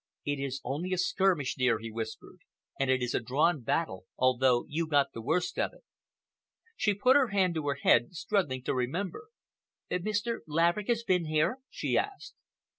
"It is only a skirmish, dear," he whispered, "and it is a drawn battle, although you got the worst of it." She put her hand to her head, struggling to remember. "Mr. Laverick has been here?" she asked.